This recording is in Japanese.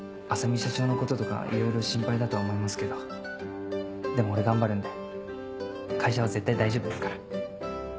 浅海社長のこととかいろいろ心配だとは思いますけどでも俺頑張るんで会社は絶対大丈夫ですから。